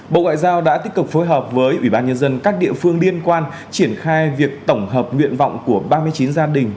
bộ ngoại giao đã tích cực phối hợp với ủy ban nhân dân các địa phương liên quan triển khai việc tổng hợp nguyện vọng của ba mươi chín gia đình